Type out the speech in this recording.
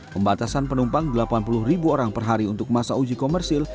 pembatasan penumpang delapan puluh ribu orang per hari untuk masa uji komersil